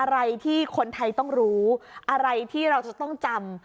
อะไรที่คนไทยต้องรู้อะไรที่เราจะต้องจำ